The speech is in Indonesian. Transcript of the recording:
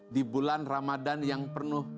di bulan ramadan yang penuh